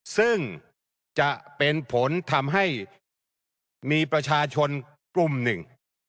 ซึ่งจะเป็นผลทำให้มีประชาชนกลุ่มหนึ่ง